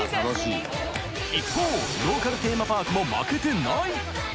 一方、ローカルテーマパークも負けてない。